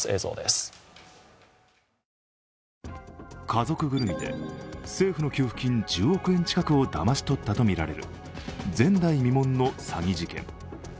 家族ぐるみで政府の給付金１０億円近くをだまし取ったとみられる前代未聞の詐欺事件。